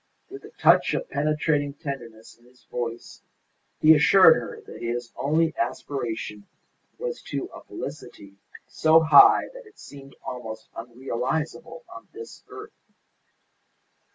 With a touch of penetrating tenderness in his voice he assured her that his only aspiration was to a felicity so high that it seemed almost unrealizable on this earth.